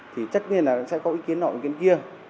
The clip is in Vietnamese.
thì chắc chắn là sẽ có ý kiến nội ý kiến kia